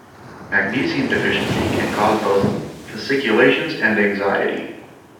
Magnesium deficiency can cause both fasciculations and anxiety.